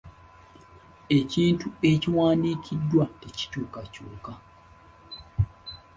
Ekintu ekiwandiikiddwa tekikyukakyuka.